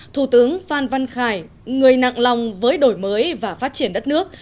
thủ tướng phan văn khải người nặng lòng với đổi mới và phát triển đất nước